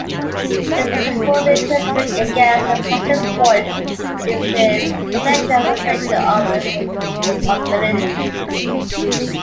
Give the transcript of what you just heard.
The principal criticism against the passive voice is its potential for evasion of responsibility.